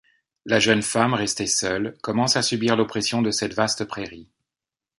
La jeune femme, restée seule, commence à subir l'oppression de cette vaste prairie…